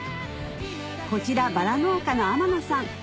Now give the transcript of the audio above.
こちらバラ農家の天野さん